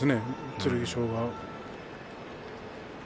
剣翔は。